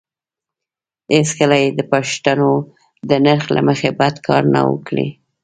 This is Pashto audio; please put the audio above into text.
هېڅکله یې د پښتنو د نرخ له مخې بد کار نه وو کړی.